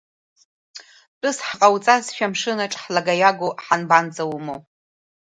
Тәыс ҳҟауҵазшәа амшынаҿ ҳлагаҩаго ҳанбанӡаумо?